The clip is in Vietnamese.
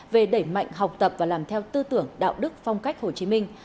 về đẩy mạnh học tập và làm theo tư tưởng đạo đức phong cách hồ chí minh